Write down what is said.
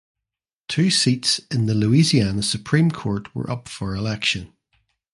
Two seats in the Louisiana Supreme Court were up for election.